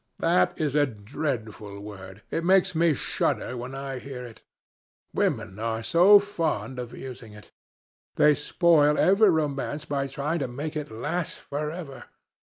That is a dreadful word. It makes me shudder when I hear it. Women are so fond of using it. They spoil every romance by trying to make it last for ever.